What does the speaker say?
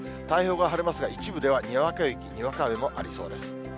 太平洋側、晴れますが、一部ではにわか雪、にわか雨もありそうです。